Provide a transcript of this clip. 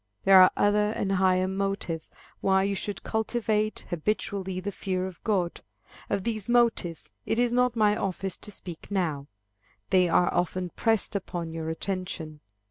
There are other and higher motives, why you should cultivate, habitually, the fear of God. Of these motives, it is not my office to speak now. They are often pressed upon your attention.